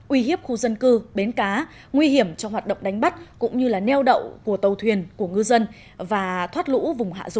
uy hiếp khu dân cư bến cá nguy hiểm cho hoạt động đánh bắt cũng như neo đậu của tàu thuyền ngư dân và thoát lũ vùng hạ rù